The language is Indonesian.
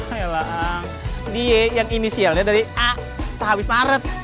hei elang die yang inisialnya dari a sehabis maret